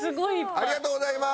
ありがとうございます！